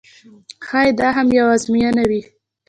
ښایي دا هم یوه آزموینه وي.